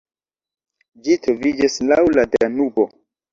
Ĝi troviĝas laŭ la Danubo.